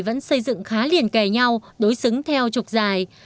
vẫn xây dựng khá liền kề nhau đối xứng theo trục dài